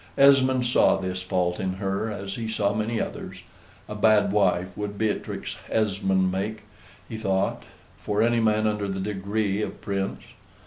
Esmond saw this fault in her, as he saw many others a bad wife would Beatrix Esmond make, he thought, for any man under the degree of a Prince.